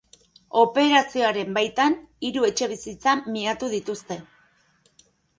Operazioaren baitan hiru etxebizitza miatu dituzte.